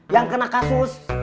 yang kena kasus